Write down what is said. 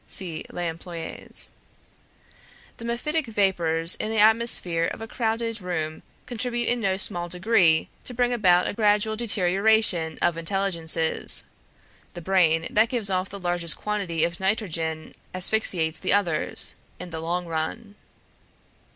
(See Les Employés.) The mephitic vapors in the atmosphere of a crowded room contribute in no small degree to bring about a gradual deterioration of intelligences, the brain that gives off the largest quantity of nitrogen asphyxiates the others, in the long run.